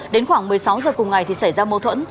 đến khoảng một mươi sáu giờ cùng ngày thì xảy ra mâu thuẫn